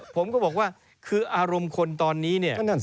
ผมก็บอกว่าคืออารมณ์คนตอนนี้เนี่ย